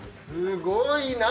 すごい。